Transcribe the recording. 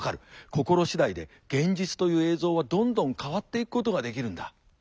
心次第で現実という映像はどんどん変わっていくことができるんだ。